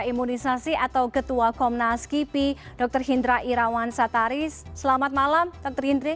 imunisasi atau ketua komnas kipi dokter hindra irawan satari selamat malam terintrik